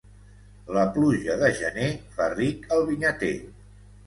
La pluja de gener fa ric al vinyater.